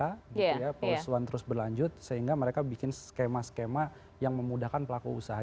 kemudian terus berlanjut sehingga mereka bikin skema skema yang memudahkan pelaku usaha